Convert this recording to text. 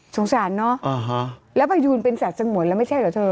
สารเนอะแล้วพยูนเป็นสัตว์สงวนแล้วไม่ใช่เหรอเธอ